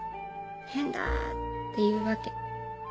変だ！」って言うわけ。